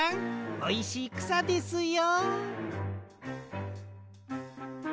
おいしいくさですよ。